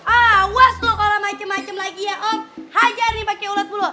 awas lo kalo macem macem lagi ya om hajar ini pake ulet bulu